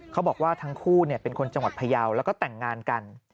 เขาบอกว่าทั้งคู่เป็นคนจังหวัดพยาวแล้วก็แต่งงานกัน